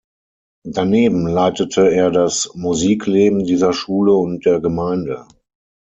Daneben leitete er das Musikleben dieser Schule und der Gemeinde.